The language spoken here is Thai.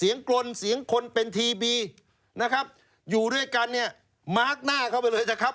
อยู่ด้วยกันเนี่ยมาร์คหน้าเข้าไปเลยเถอะครับ